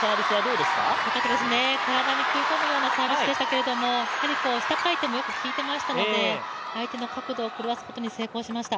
体に食い込むようなサービスでしたけど下回転もよく効いていましたので、相手の角度を狂わすことに成功しました。